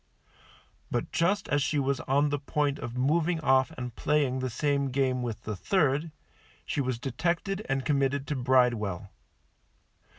But just as she was on the point of moving off and playing the same game with the third, she was detected and committed to Bridewell.